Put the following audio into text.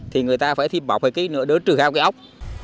thì người ta phải bọc hai kg nữa để trừ hạ cái ốc